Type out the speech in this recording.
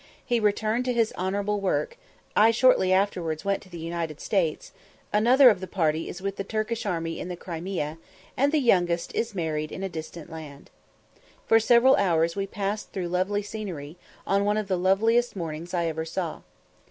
He returned to his honourable work I shortly afterwards went to the United States another of the party is with the Turkish army in the Crimea and the youngest is married in a distant land. For several hours we passed through lovely scenery, on one of the loveliest mornings I ever saw.